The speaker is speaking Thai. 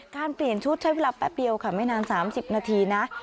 เปลี่ยนชุดใช้เวลาแป๊บเดียวค่ะไม่นาน๓๐นาทีนะ